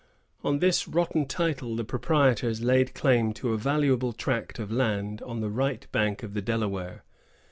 On this rotten title the proprietors laid claim to a valuable tract of land on the right bank of the Delaware.